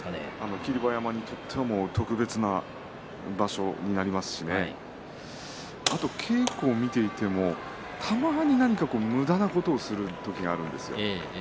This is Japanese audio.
霧馬山にとっては特別な場所になりますしあと稽古を見ていてもたまに、何かむだなことをする時があるんですよ。